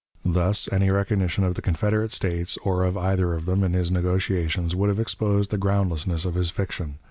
Thus, any recognition of the Confederate States, or of either of them, in his negotiations, would have exposed the groundlessness of his fiction.